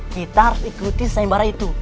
kita harus ikuti saing barah itu